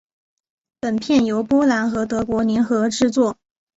本片由波兰和德国联合制作。